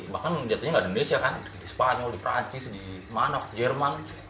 bahkan jatuhnya nggak di indonesia kan di spanyol di perancis di manok di jerman